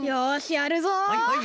やるぞ！